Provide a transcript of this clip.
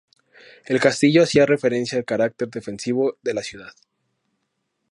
El castillo hacía referencia al carácter defensivo de la ciudad.